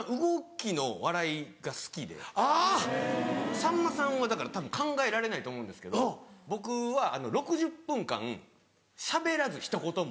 さんまさんはだからたぶん考えられないと思うんですけど僕は６０分間しゃべらずひと言も。